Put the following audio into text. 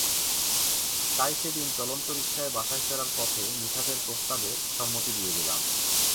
তাই সেদিন চলন্ত রিকশায় বাসায় ফেরার পথে নিশাতের প্রস্তাবে সম্মতি দিয়ে দিলাম।